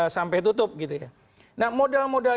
sampai tutup nah modal modal